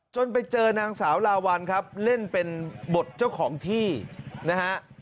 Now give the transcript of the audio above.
ไปเจอนางสาวลาวัลครับเล่นเป็นบทเจ้าของที่นะฮะ